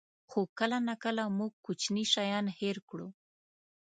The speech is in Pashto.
خو کله ناکله موږ کوچني شیان هېر کړو.